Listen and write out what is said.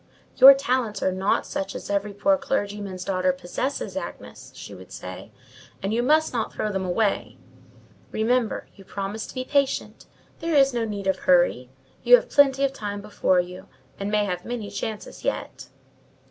"Your talents are not such as every poor clergyman's daughter possesses, Agnes," she would say, "and you must not throw them away. Remember, you promised to be patient: there is no need of hurry: you have plenty of time before you, and may have many chances yet."